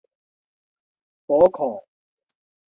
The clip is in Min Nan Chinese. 寶庫